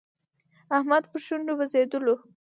احمد په شونډو بزېدلو.